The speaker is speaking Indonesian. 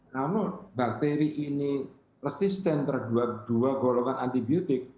namun bakteri ini resisten terhadap dua golongan antibiotik